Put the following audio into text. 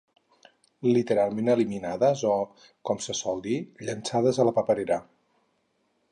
Literalment eliminades o, com se sol dir, llençades a la paperera.